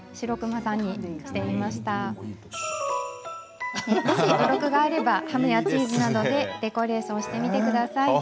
もし余力があればハムやチーズなどでデコレーションしてみてください。